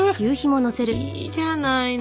いいじゃないのこれは。